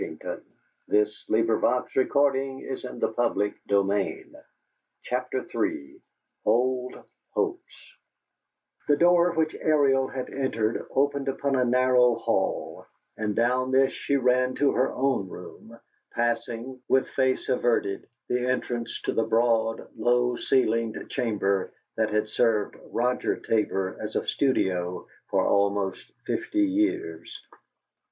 "Dear old mater!" said Eugene. Joe went out of the front door quickly. III OLD HOPES The door which Ariel had entered opened upon a narrow hall, and down this she ran to her own room, passing, with face averted, the entrance to the broad, low ceilinged chamber that had served Roger Tabor as a studio for almost fifty years.